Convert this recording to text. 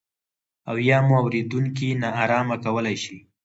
او یا مو اورېدونکي نا ارامه کولای شي.